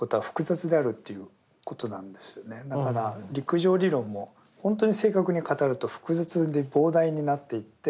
だから陸上理論もほんとに正確に語ると複雑で膨大になっていって。